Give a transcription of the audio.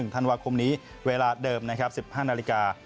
๑ธันวาคมนี้เวลาเดิม๑๕นาฬิกา